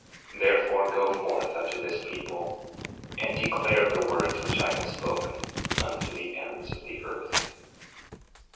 11:41 Therefore, go forth unto this people, and declare the words which I have spoken, unto the ends of the earth.